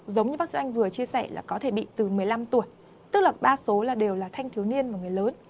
giống như bác sĩ anh vừa chia sẻ là có thể bị từ một mươi năm tuổi tức là đa số là đều là thanh thiếu niên và người lớn